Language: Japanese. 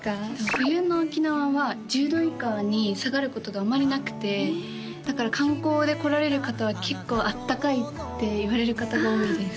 冬の沖縄は１０度以下に下がることがあまりなくてだから観光で来られる方は結構あったかいって言われる方が多いです